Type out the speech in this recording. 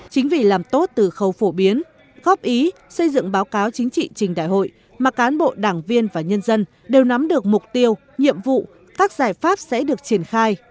chính vì làm tốt từ khâu phổ biến góp ý xây dựng báo cáo chính trị trình đại hội mà cán bộ đảng viên và nhân dân đều nắm được mục tiêu nhiệm vụ các giải pháp sẽ được triển khai